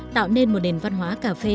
tạo nên một nền văn hóa cà phê